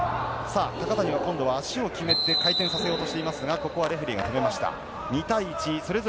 高谷は足を決めて回転させようとしていますがレフェリーが止めました。